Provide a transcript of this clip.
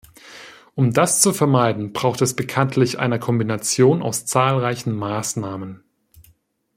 Um das zu vermeiden, braucht es bekanntlich einer Kombination aus zahlreichen Maßnahmen.